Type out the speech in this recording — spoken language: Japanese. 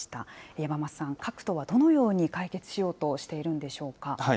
山枡さん、各党はどのように解決しようとしているんでしょうか。